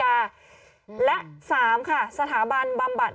กล้องกว้างอย่างเดียว